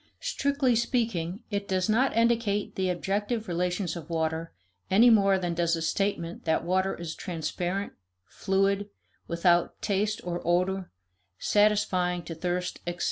Strictly speaking, it does not indicate the objective relations of water any more than does a statement that water is transparent, fluid, without taste or odor, satisfying to thirst, etc.